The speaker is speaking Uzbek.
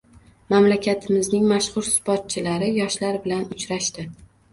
Mamlakatimizning mashhur sportchilari yoshlar bilan uchrashdi